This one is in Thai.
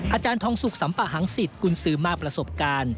อาจารย์ทองสุขสัมปะหังศิษย์กุญสือมากประสบการณ์